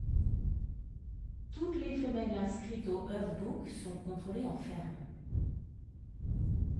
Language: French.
Toutes les femelles inscrites au herd-book sont contrôlées en ferme.